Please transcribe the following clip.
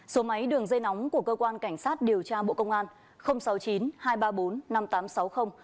số máy đường dây nóng của cơ quan cảnh sát điều tra bộ công an sáu mươi chín hai trăm ba mươi bốn năm nghìn tám trăm sáu mươi